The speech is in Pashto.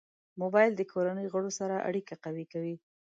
موبایل د کورنۍ غړو سره اړیکه قوي کوي.